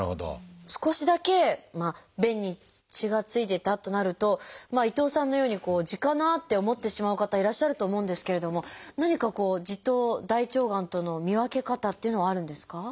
少しだけ便に血が付いてたとなると伊藤さんのように痔かなって思ってしまう方いらっしゃると思うんですけれども何か痔と大腸がんとの見分け方っていうのはあるんですか？